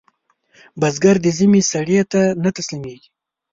بزګر د ژمي سړې ته نه تسلېږي